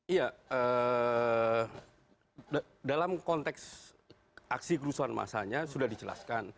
iya dalam konteks aksi kerusuhan masanya sudah dijelaskan